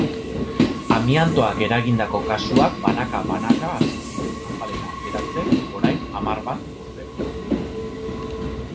Amiantoak eragindako kasuak banaka-banaka hasi ziren azalera ateratzen orain hamar bat urte.